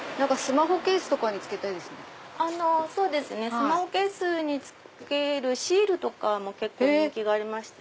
スマホケースにつけるシールも結構人気がありまして。